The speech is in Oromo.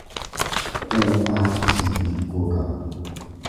Quufaatu singiggoo qaba.